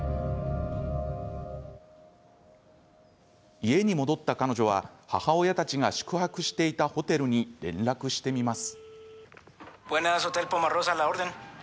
家に戻った彼女は母親たちが宿泊していたホテルに連絡してみます。